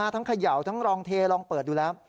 เขย่าทั้งลองเทลองเปิดดูแล้ว